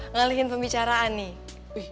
ngalihin pembicaraan nih